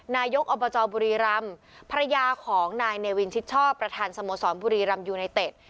นายกอบจบุรีรำภรรยาของนายเนวินชิดชอบประธานสโมสรบุรีรำยูไนเต็ด